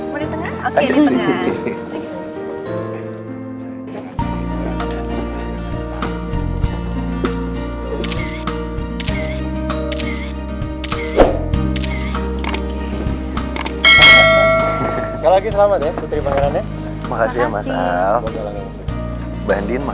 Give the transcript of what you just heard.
boleh tengah boleh tengah